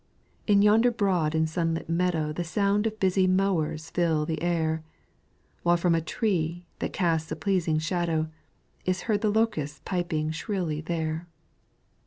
in yonder broad and sunlit meadow The sound of busy mowers fill the air, While from a tree that casts a pleasing shadow, Is heard the locust piping shrilly there.